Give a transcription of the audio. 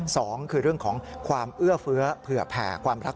สองคือเรื่องของความเอื้อเฟื้อเผื่อแผ่ความรัก